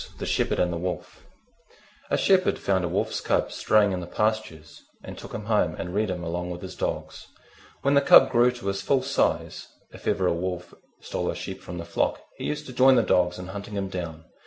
THE SHEPHERD AND THE WOLF A Shepherd found a Wolf's Cub straying in the pastures, and took him home and reared him along with his dogs. When the Cub grew to his full size, if ever a wolf stole a sheep from the flock, he used to join the dogs in hunting him down.